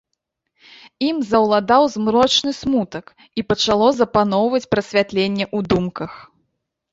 Ім заўладаў змрочны смутак, і пачало запаноўваць прасвятленне ў думках.